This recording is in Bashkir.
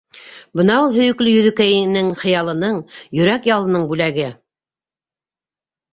Бына ул, һөйөклө Йөҙөкәйенең — хыялының, йөрәк ялының бүләге!